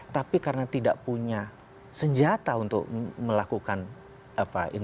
tapi karena tidak punya senjata untuk melakukan apa itu